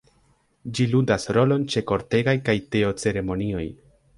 Ĝi ludas rolon ĉe kortegaj kaj teo-ceremonioj.